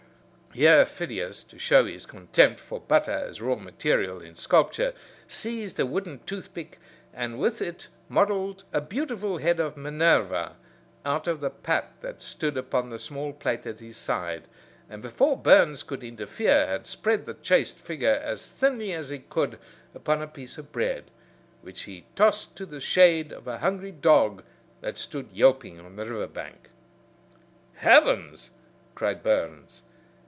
Here Phidias, to show his contempt for butter as raw material in sculpture, seized a wooden toothpick, and with it modelled a beautiful head of Minerva out of the pat that stood upon the small plate at his side, and before Burns could interfere had spread the chaste figure as thinly as he could upon a piece of bread, which he tossed to the shade of a hungry dog that stood yelping on the river bank. "Heavens!" cried Burns.